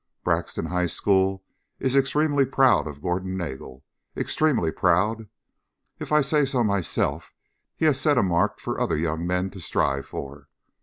"Braxton High School is extremely proud of Gordon Nagel. Extremely proud. If I say so myself he has set a mark for other young men to strive for."